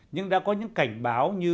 nhưng đã có những cảnh báo như